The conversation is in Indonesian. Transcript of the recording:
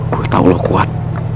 gue tau lo kuat